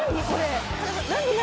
何？